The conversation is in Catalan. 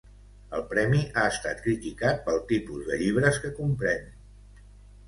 El premi ha estat criticat pels tipus de llibres que comprèn.